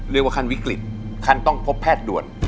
เรียกว่าคันวิกฤตคันต้องพบแพทย์ด่วน